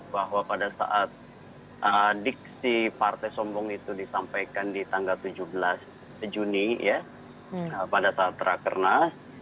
bahwa pada saat diksi partai sombong itu disampaikan di tanggal tujuh belas juni ya pada saat rakernas